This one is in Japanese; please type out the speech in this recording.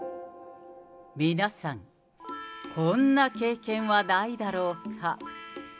皆さん、こんな経験はないだろうか。